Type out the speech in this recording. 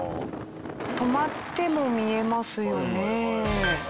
止まっても見えますよね。